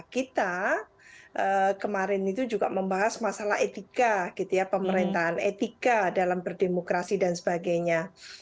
kita kemarin juga membahas masalah etika pemerintahan etika dalam berdemokrasi dan sebagainya